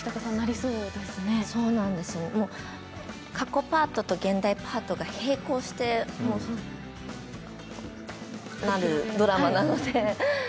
そうなんですよ、過去パートと現代パートが並行してなるドラマなので。